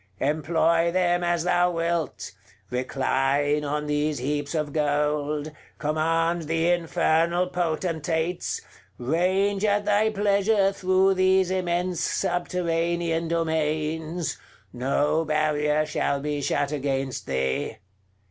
Employ them as thou wilt: recline on these heaps of gold; command the Infernal Potentates; range at thy pleasure through these immense subterranean domains; no barrier shall be shut against thee.